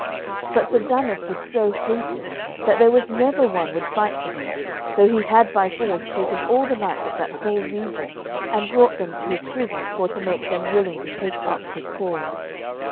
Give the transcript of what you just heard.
But Sir Damas was so hated that there was never one would fight for him, though he had by force taken all the knights of that whole region and brought them to his prison for to make them willing to take up his cause.